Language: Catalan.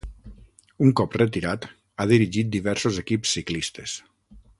Un cop retirat, ha dirigit diversos equips ciclistes.